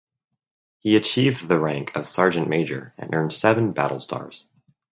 He achieved the rank of Sergeant Major and earned seven battle stars.